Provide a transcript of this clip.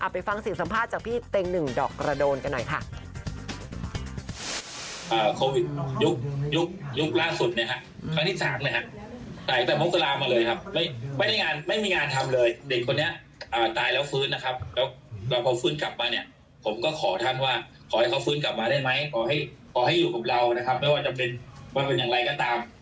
ไปฟังเสียงสัมภาษณ์จากพี่เต็งหนึ่งดอกกระโดนกันหน่อยค่ะ